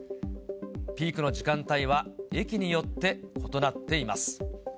ピークの時間帯は、駅によって異なっています。